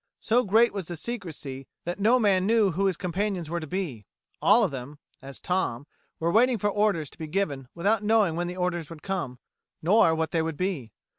So great was the secrecy that no man knew who his companions were to be. All of them, as Tom, were waiting for orders to be given without knowing when the orders would come, nor what they would be.